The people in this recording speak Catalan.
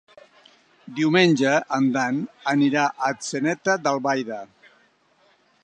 Diumenge en Dan anirà a Atzeneta d'Albaida.